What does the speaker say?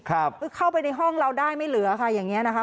คือเข้าไปในห้องเราได้ไม่เหลือค่ะอย่างนี้นะคะ